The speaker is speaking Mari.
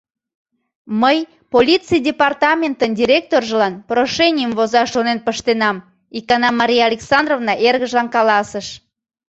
— Мый полиций департаментын директоржылан прошенийым возаш шонен пыштенам, — икана Мария Александровна эргыжлан каласыш.